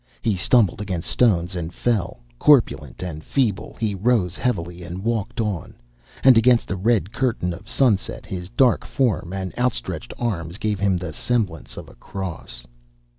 He stumbled against stones and fell; corpulent and feeble, he rose heavily and walked on; and against the red curtain of sunset his dark form and outstretched arms gave him the semblance of a cross.